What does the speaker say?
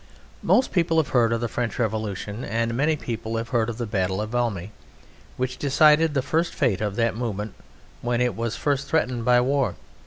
Most people have heard of the French Revolution, and many people have heard of the battle of Valmy, which decided the first fate of that movement, when it was first threatened by war.